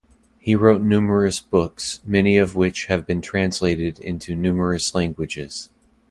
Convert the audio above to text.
He wrote numerous books, many of which have been translated into numerous languages.